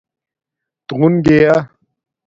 تݸن گیا